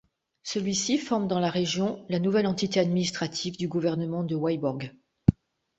Celui-ci forme dans la région la nouvelle entité administrative du gouvernement de Vyborg.